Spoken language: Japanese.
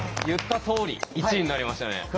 言ったとおり１位になりましたね。